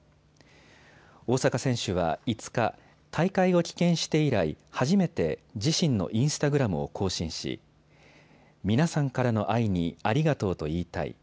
大坂選手は５日、大会を棄権して以来、初めて自身のインスタグラムを更新し皆さんからの愛にありがとうと言いたい。